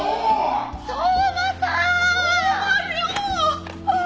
相馬さん！